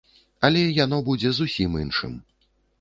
Але яно будзе зусім іншым.